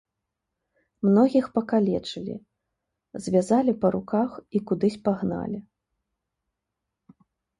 Многіх пакалечылі, звязалі па руках і кудысь пагналі.